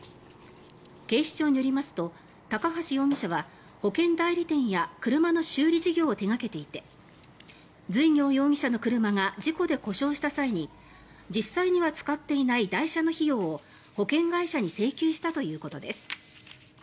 警視庁によりますと高橋容疑者は保険代理店や車の修理事業を手掛けていて随行容疑者の車が事故で故障した際に実際には使っていない代車の費用を保険会社に請求したということです。